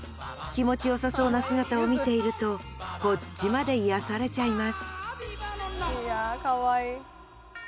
気持ちよさそうな姿を見ているとこっちまで癒やされちゃいますいやあかわいい。